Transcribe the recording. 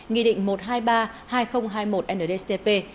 nghị định một trăm hai mươi ba hai nghìn hai mươi một ndcp